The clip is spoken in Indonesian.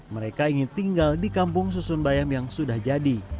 mereka ingin tinggal di kampung susun bayam yang sudah jadi